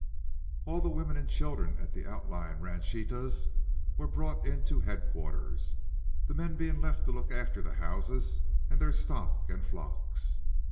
All the women and children at the outlying ranchitas were brought into headquarters, the men being left to look after the houses and their stock and flocks.